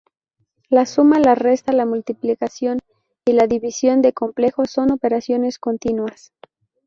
La suma, la resta, la multiplicación y la división de complejos son operaciones continuas.